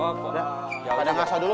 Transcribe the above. padahal kasa dulu padahal kasa dulu